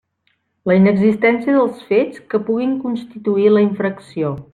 La inexistència dels fets que puguin constituir la infracció.